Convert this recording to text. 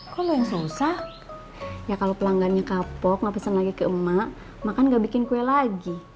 kalau yang susah ya kalau pelanggannya kapok nggak pesan lagi ke emak makan gak bikin kue lagi